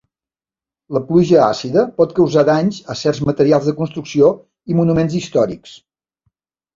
La pluja àcida pot causar danys a certs materials de construcció i monuments històrics.